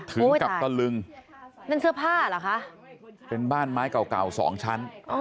ถึงกับตะลึงนั่นเสื้อผ้าเหรอคะเป็นบ้านไม้เก่าเก่าสองชั้น